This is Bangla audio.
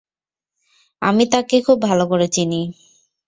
আমি তাকে খুব ভালো করে চিনি।